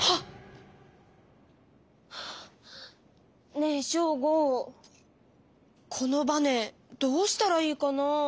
ねえショーゴこのバネどうしたらいいかな？